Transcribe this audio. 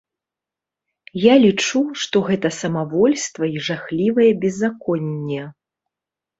Я лічу, што гэта самавольства і жахлівае беззаконне.